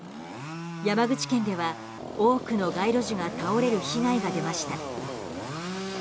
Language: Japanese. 山口県では、多くの街路樹が倒れる被害が出ました。